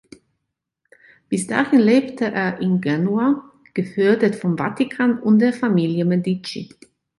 Bis dahin lebte er in Genua, gefördert vom Vatikan und der Familie Medici.